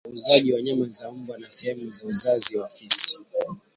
Uuzaji wa nyama ya mbwa na sehemu za uzazi za fisi